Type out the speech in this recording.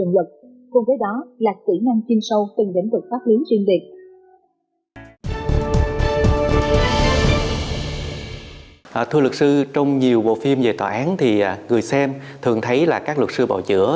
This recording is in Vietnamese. thưa luật sư trong nhiều bộ phim về tòa án thì người xem thường thấy là các luật sư bào chữa